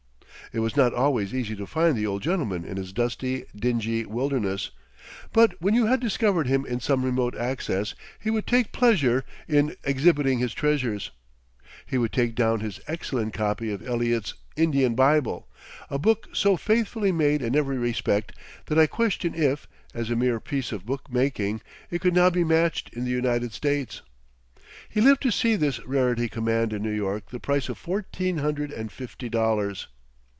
It was not always easy to find the old gentleman in his dusty, dingy wilderness; but when you had discovered him in some remote recess he would take pleasure in exhibiting his treasures. He would take down his excellent copy of Eliot's Indian Bible, a book so faithfully made in every respect that I question if, as a mere piece of book making, it could now be matched in the United States. He lived to see this rarity command in New York the price of fourteen hundred and fifty dollars.